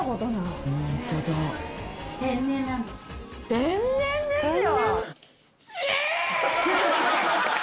天然ですよ！